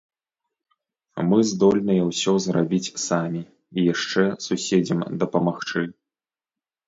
Мы здольныя ўсё зрабіць самі, і яшчэ суседзям дапамагчы.